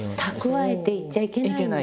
蓄えていちゃいけない。